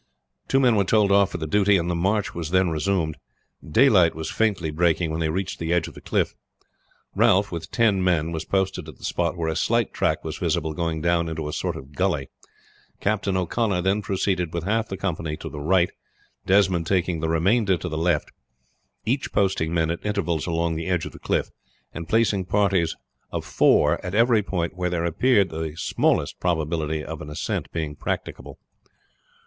Two men were told off for the duty, and the march was then resumed. Daylight was faintly breaking when they reached the edge of the cliff. Ralph, with ten men, was posted at the spot where a slight track was visible going down into a sort of gulley. Captain O'Connor then proceeded with half the company to the right, Desmond taking the remainder to the left; each posting men at intervals along the edge of the cliff, and placing parties of four at every point where there appeared the smallest probability of an ascent being practicable.